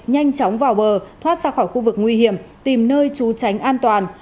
nhanh chóng vào bờ thoát ra khỏi khu vực nguy hiểm tìm nơi trú tránh an toàn